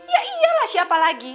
ya iya lah siapa lagi